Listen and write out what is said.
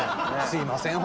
すいません